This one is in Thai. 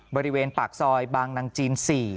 บริเวณปากซอยบางนางจีน๔